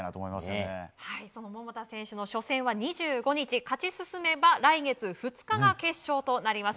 その桃田選手の初戦は２５日、勝ち進めば来月２日が決勝となります。